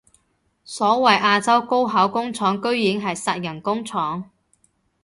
所謂亞洲高考工廠居然係殺人工廠